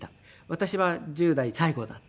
私は１０代最後だった。